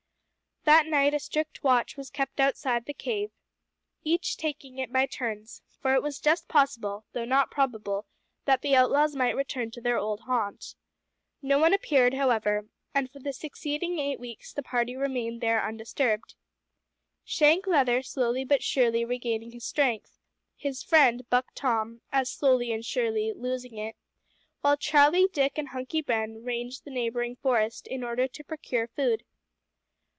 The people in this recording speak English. That night a strict watch was kept outside the cave each taking it by turns, for it was just possible, though not probable, that the outlaws might return to their old haunt. No one appeared, however, and for the succeeding eight weeks the party remained there undisturbed, Shank Leather slowly but surely regaining strength; his friend, Buck Tom, as slowly and surely losing it; while Charlie, Dick, and Hunky Ben ranged the neighbouring forest in order to procure food.